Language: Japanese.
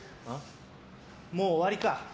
もう終わりか。